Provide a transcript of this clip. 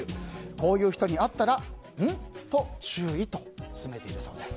こういう人に会ったらん？と注意と勧めているそうです。